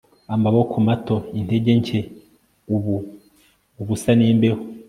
Amaboko mato intege nke ubu ubusa nimbeho